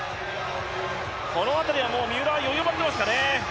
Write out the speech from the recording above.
この辺りは三浦は余裕をもっていますかね。